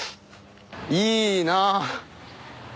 いいなぁ。